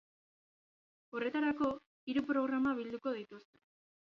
Horretarako, hiru programa bilduko dituzte.